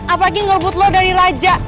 apalagi ngerbud lo dari raja